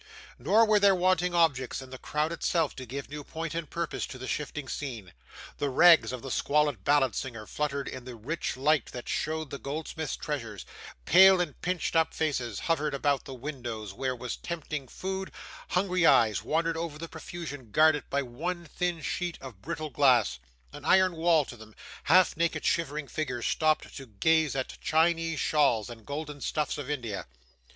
Nor were there wanting objects in the crowd itself to give new point and purpose to the shifting scene. The rags of the squalid ballad singer fluttered in the rich light that showed the goldsmith's treasures, pale and pinched up faces hovered about the windows where was tempting food, hungry eyes wandered over the profusion guarded by one thin sheet of brittle glass an iron wall to them; half naked shivering figures stopped to gaze at Chinese shawls and golden stuffs of India.